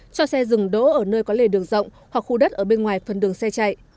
cho xe dừng đỗ ở nơi có lề đường rộng hoặc khu đất ở bên ngoài phần đường xe chạy